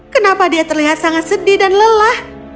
kenapa dia terlihat sangat sedih dan lelah